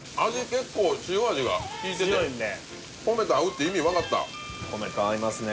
結構塩味がきいてて米と合うって意味分かった米と合いますね